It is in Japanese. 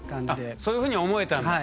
あそういうふうに思えたんだ。